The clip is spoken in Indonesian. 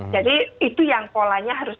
jadi itu yang polanya harus